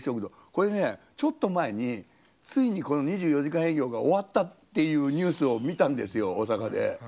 これねちょっと前についにこの２４時間営業が終わったっていうニュースを見たんですよ大阪で。